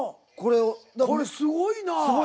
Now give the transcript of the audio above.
これすごいなぁ。